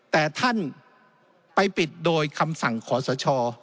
แต่ท่านไปปิดโดยคำสั่งขอสช